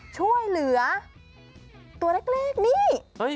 ช่วยเหลือตัวเล็กนี่